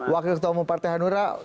wakil ketua umum partai hanura